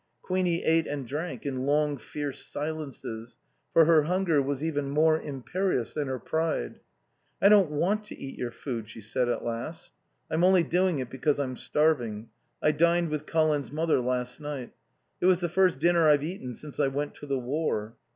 Queenie ate and drank in long, fierce silences; for her hunger was even more imperious than her pride. "I don't want to eat your food," she said at last. "I'm only doing it because I'm starving. I dined with Colin's mother last night. It was the first dinner I've eaten since I went to the war."